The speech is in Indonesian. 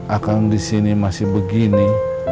akang disini masih begini